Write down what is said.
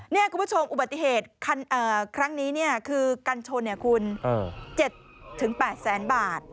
เนี่ยคุณผู้ชมอุบัติเหตุครั้งนี้เนี่ยคือกัญชนเนี่ยคุณ๗๘๐๐๐๐๐บาท